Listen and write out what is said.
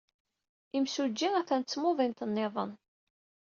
Imsujji atan ed tmuḍint niḍen.